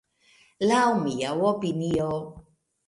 Laŭ mia opinio.